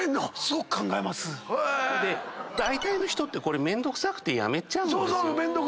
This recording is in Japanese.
だいたいの人ってめんどくさくてやめちゃうんですよ。